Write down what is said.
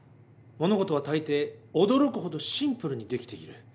「物事はたいてい驚くほどシンプルにできている」